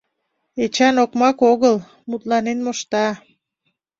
Эчан окмак огыл, мутланен мошта.